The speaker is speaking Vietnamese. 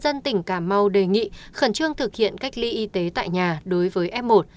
dân tỉnh cà mau đề nghị khẩn trương thực hiện cách ly y tế tại nhà đối với f một